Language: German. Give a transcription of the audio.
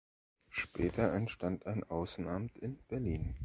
Später entstand ein Außenamt in Berlin.